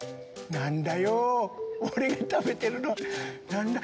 何だよぅ俺が食べてるの何だ？」。